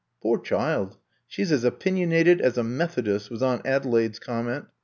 *^Poor child, she 's as opinionated as a Methodist,'' was Aunt Adelaide's com ment.